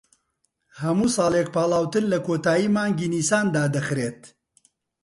هەموو ساڵێک پاڵاوتن لە کۆتایی مانگی نیسان دادەخرێت